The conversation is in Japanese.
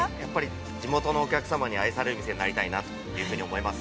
◆地元のお客様に愛される店になりたいと思います。